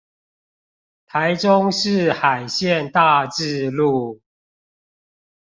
台中市海線大智路